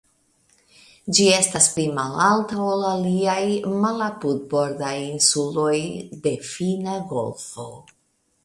Ĝi estas pli malalta ol aliaj malapudbordaj insuloj de Finna golfo.